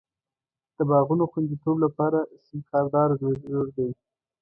د باغونو خوندیتوب لپاره سیم خاردار ضرور دی.